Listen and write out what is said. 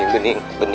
kamu ga ngerti